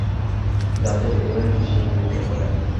যাতে ডেলিভারির নিশ্চয়তা দিতে পারে।